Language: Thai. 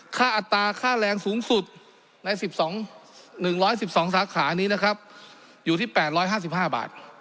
อัตราค่าแรงสูงสุดใน๑๑๒สาขานี้นะครับอยู่ที่๘๕๕บาท